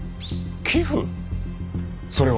それは。